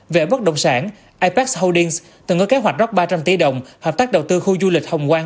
về bất động sản apac holdings từng có kế hoạch rót ba trăm linh tỷ đồng hợp tác đầu tư khu du lịch hồng quang